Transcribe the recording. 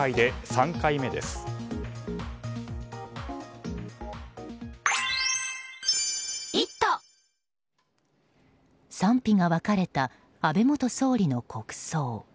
賛否が分かれた安倍元総理の国葬。